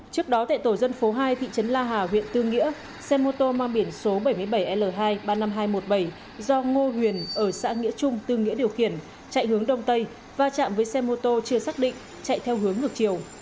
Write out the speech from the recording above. trước đó tại tổ dân phố hai thị trấn la hà huyện tư nghĩa xe mô tô mang biển số bảy mươi bảy l hai ba mươi năm nghìn hai trăm một mươi bảy do ngô huyền ở xã nghĩa trung tư nghĩa điều khiển chạy hướng đông tây và chạm với xe mô tô chưa xác định chạy theo hướng ngược chiều